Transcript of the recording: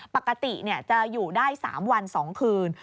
ปกติจะอยู่ได้๓วัน๒คืน